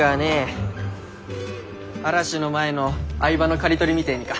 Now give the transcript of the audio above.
嵐の前の藍葉の刈り取りみてぇにか？